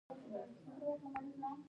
شاهو هغه ته عریضه واستوله.